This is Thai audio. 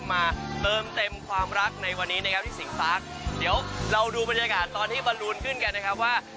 มาเติมเต็มความรักในวันนี้นะครับที่สิงฟ้าเดี๋ยวเราดูบรรยากาศตอนที่บรรลูนขึ้นกันนะครับว่า